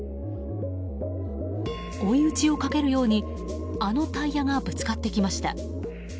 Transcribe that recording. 追い打ちをかけるようにあのタイヤがぶつかってきました。